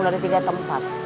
dari tiga tempat